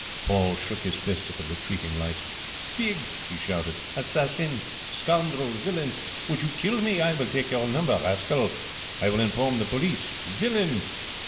Paul shook his fist at the retreating lights. 'Pig!' he shouted. 'Assassin! Scoundrel! Villain! Would you kill me? I will take your number, rascal. I will inform the police. Villain!'